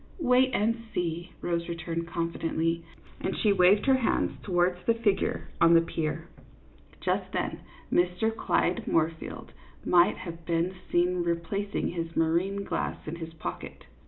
" Wait and see," Rose returned, confidently, and she waved her hand towards the figure on the pier. Just then Mr. Clyde Moorfield might have been seen replacing his marine glass in his pocket.